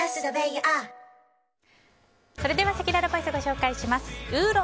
せきららボイスご紹介します。